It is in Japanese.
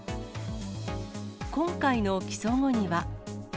今回の起訴後には。